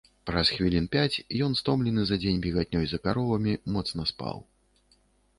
Праз хвілін пяць ён, стомлены за дзень бегатнёй за каровамі, моцна спаў.